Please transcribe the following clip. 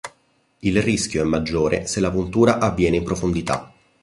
Il rischio è maggiore se la puntura avviene in profondità.